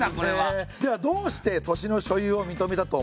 ではどうして土地の所有を認めたと思いますか？